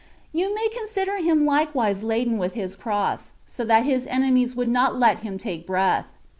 You may consider Him likewise laden with His Cross, so that His enemies would not let Him take breath.